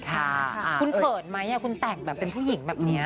คุณเขินไหมคุณแต่งแบบเป็นผู้หญิงแบบนี้